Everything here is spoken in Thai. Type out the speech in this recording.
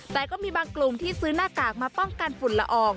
แต่ก็มีบางกลุ่มที่ซื้อหน้ากากมาป้องกันฝุ่นละออง